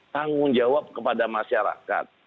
tanggung jawab kepada masyarakat